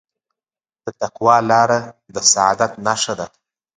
د تقوی لاره د سعادت نښه ده.